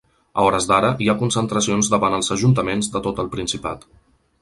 A hores d’ara, hi ha concentracions davant els ajuntaments de tot el Principat.